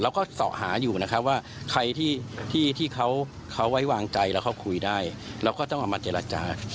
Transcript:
เขาก็เสาะหาอยู่นะครับว่าใครที่เขาไว้วางใจแล้วเขาคุยได้เราก็ต้องเอามาเจรจา